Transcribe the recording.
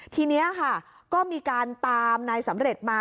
ทีนี้ค่ะก็มีการตามนายสำเร็จมา